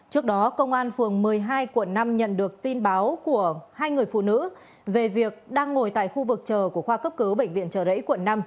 trước đó công an phường một mươi hai quận năm nhận được tin báo của hai người phụ nữ về việc đang ngồi tại khu vực chờ của khoa cấp cứu bệnh viện trợ rẫy quận năm